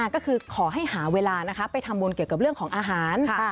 ก็คือขอให้หาเวลาไปทำบุญเกี่ยวกับเรื่องของอาหาร